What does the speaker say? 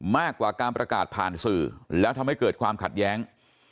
มากกว่าการประกาศผ่านสื่อแล้วทำให้เกิดความขัดแย้ง